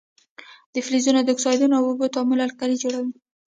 د فلزونو د اکسایدونو او اوبو تعامل القلي جوړوي.